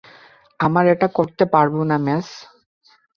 আমরা এটা করতে পারবো না, মেস।